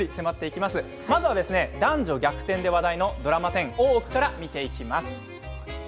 まずは男女逆転で話題のドラマ「大奥」から見ていきます。